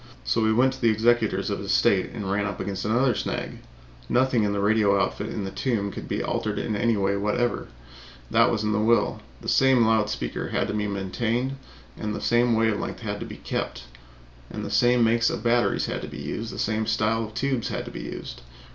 So we went to the executors of his estate and ran up against another snag nothing in the radio outfit in the tomb could be altered in any way whatever. That was in the will. The same loud speaker had to be maintained, the same wave length had to be kept, the same makes of batteries had to be used, the same style of tubes had to be used.